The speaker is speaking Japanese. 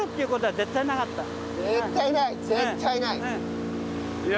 絶対ない！